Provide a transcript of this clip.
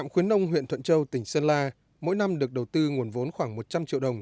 khuyến nông huyện thuận châu tỉnh sơn la mỗi năm được đầu tư nguồn vốn khoảng một trăm linh triệu đồng